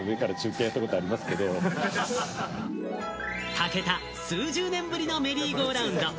武田、数十年ぶりのメリーゴーラウンド。